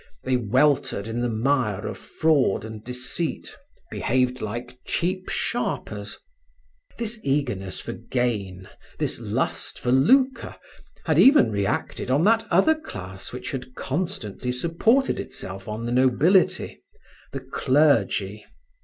They weltered in the mire of fraud and deceit, behaved like cheap sharpers. This eagerness for gain, this lust for lucre had even reacted on that other class which had constantly supported itself on the nobility the clergy.